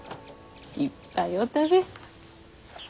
いっぱいお食べ。